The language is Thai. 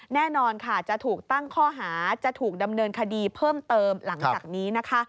แน่นอนค่ะจะถูกตั้งข้อหาจะถูกดำเนินคดีเพิ่มเติมหลังจากนี้นะคะ